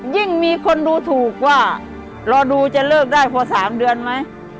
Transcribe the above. ยิ่งมีคนดูถูกว่ารอดูจะเลิกได้พอ๓เดือนไหม